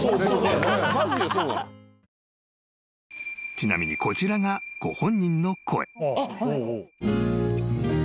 ［ちなみにこちらがご本人の声］